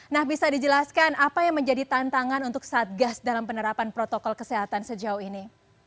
nah bisa dijelaskan apa yang menjadi tantangan untuk satgas dalam penerapan protokol kesehatan sejauh ini